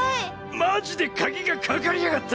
マジで鍵がかかりやがった！